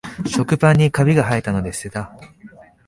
食パンにカビがはえたので捨てた